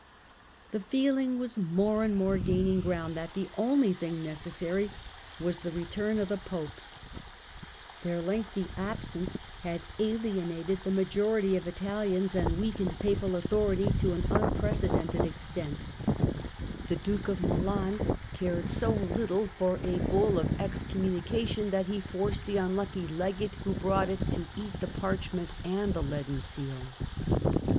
The feehng was more and more gaining ground, Desire for that the one thing necessary was the return of the f^frn*^ ^'^' Popes. Their lengthened absence had alienated the 88 THE END OF THE MIDDLE AGE majority of Italians and weakened Papal authority to an unprecedented extent. The Duke of Milan cared so little for a Bull of excommunication, that he forced the unlucky legate who brought it to eat the parchment and the leaden seal.